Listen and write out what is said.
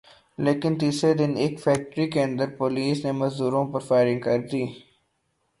لیکن تیسرے دن ایک فیکٹری کے اندر پولیس نے مزدوروں پر فائرنگ کر دی